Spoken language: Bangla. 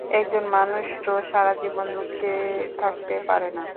একজন মানুষ তো সারা জীবন দুঃখী থাকতে পারে না।